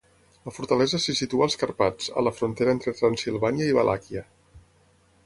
La fortalesa se situa als Carpats, a la frontera entre Transsilvània i Valàquia.